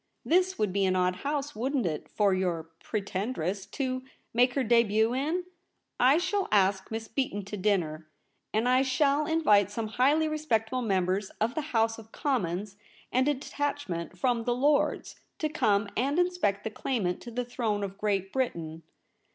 This would be an odd house, wouldn't it, for your Pretendress to make her debut in ? I shall ask Miss Beaton to dinner; and I shall invite some highly respectable members of the House of Commons, and a detachment from the Lords, to come and inspect the claimant to the throne of Great Britain.'